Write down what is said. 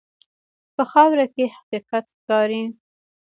په خاوره کې حقیقت ښکاري.